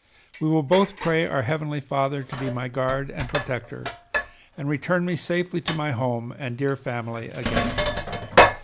We will both pray our Heavenly Father to be my guard and protector, and return me safely to my home and dear family again.